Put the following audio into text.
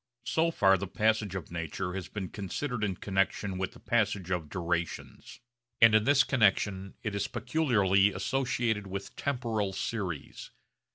So far the passage of nature has been considered in connexion with the passage of durations; and in this connexion it is peculiarly associated with temporal series.